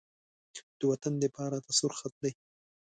د وطن دفاع راته سور خط دی.